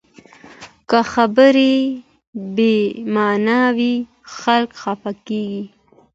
که خبرې بې معنا وي، خلک خفه کېږي